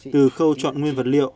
từ khâu chọn nguyên vật liệu